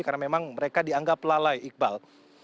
karena memang mereka dianggap lalai iqbal